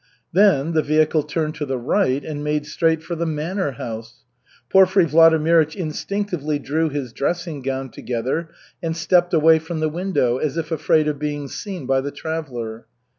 Then the vehicle turned to the right and made straight for the manor house. Porfiry Vladimirych instinctively drew his dressing gown together and stepped away from the window, as if afraid of being seen by the traveller.